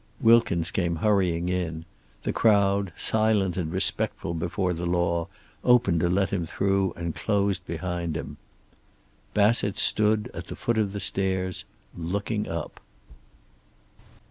Wilkins came hurrying in. The crowd, silent and respectful before the law, opened to let him through and closed behind him. Bassett stood at the foot of the stairs, looking up.